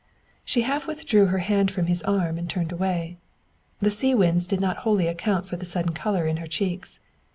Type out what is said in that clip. She half withdrew her hand from his arm, and turned away. The sea winds did not wholly account for the sudden color in her cheeks.